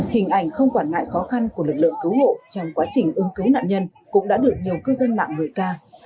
hình ảnh không quản ngại khó khăn của lực lượng cứu hộ trong quá trình ưng cứu nạn nhân cũng đã được nhiều cư dân mạng ngợi ca